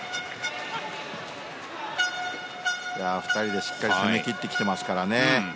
２人でしっかり攻め切ってきていますからね